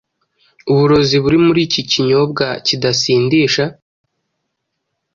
uburozi buri muri iki kinyobwa kidasindisha.